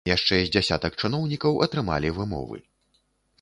Яшчэ з дзясятак чыноўнікаў атрымалі вымовы.